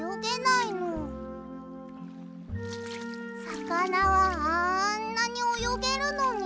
さかなはあんなにおよげるのに。